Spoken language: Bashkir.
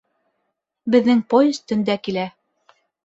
Беҙҙең поезд төндә килә.